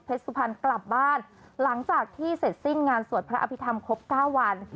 สุพรรณกลับบ้านหลังจากที่เสร็จสิ้นงานสวดพระอภิษฐรรมครบ๙วัน